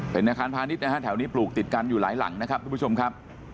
เป็นอาคารพาณิชย์นะฮะแถวนี้ปลูกติดกันอยู่หลายหลังนะครับทุกผู้ชมครับ